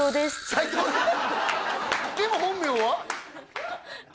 斎藤さんでも本名は？